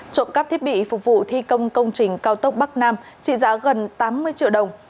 trộm cắp thiết bị phục vụ thi công công trình cao tốc bắc nam trị giá gần tám mươi triệu đồng